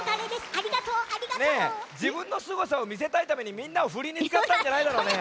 ありがとうありがとう。ねえじぶんのすごさをみせたいためにみんなをふりにつかったんじゃないだろうね。